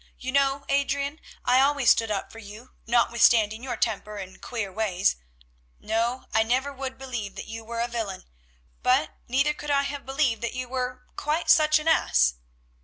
You know, Adrian, I always stood up for you, notwithstanding your temper and queer ways. No, I never would believe that you were a villain, but neither could I ever have believed that you were quite such an ass."